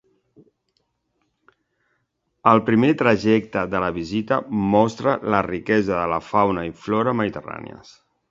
El primer trajecte de la visita mostra la riquesa de la fauna i flora mediterrànies.